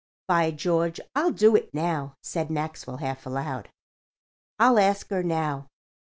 "By George, I'll do it now," said Maxwell, half aloud. "I'll ask her now.